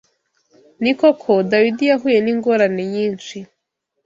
Ni koko Dawidi yahuye n’ingorane nyinshi